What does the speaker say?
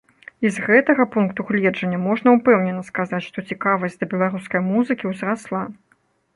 І з гэтага пункту гледжання можна ўпэўнена сказаць, што цікавасць да беларускай музыкі ўзрасла.